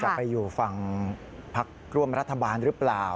ไปอยู่ฝั่งพักร่วมรัฐบาลหรือเปล่า